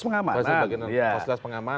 pengamanan fasilitas pengamanan